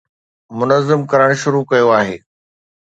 منظم ڪرڻ شروع ڪيو آهي.